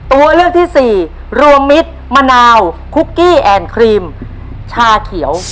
ตัวเลือกที่สี่รวมมิตรมะนาวคุกกี้แอนดครีมชาเขียว